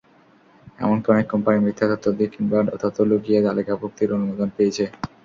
এমনকি অনেক কোম্পানি মিথ্যা তথ্য দিয়ে কিংবা তথ্য লুকিয়ে তালিকাভুক্তির অনুমোদন পেয়েছে।